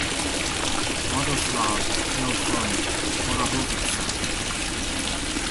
Radoslav hailed from Orahovica.